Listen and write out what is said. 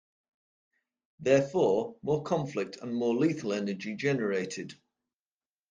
Therefore, more conflict and more lethal energy generated.